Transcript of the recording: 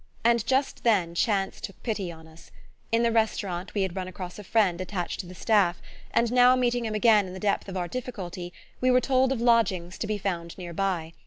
And just then chance took pity on us. In the restaurant we had run across a friend attached to the Staff, and now, meeting him again in the depth of our difficulty, we were told of lodgings to be found near by.